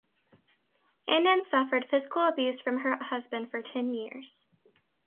Anand suffered physical abuse from her husband for ten years.